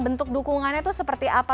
bentuk dukungannya itu seperti apa